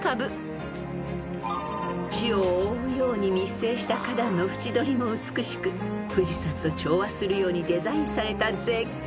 ［地を覆うように密生した花壇の縁取りも美しく富士山と調和するようにデザインされた絶景］